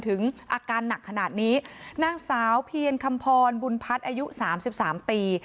ถึงอาการหนักขนาดนี้นางสาวเพียงคำพรบุญพัฒน์อายุ๓๓ปี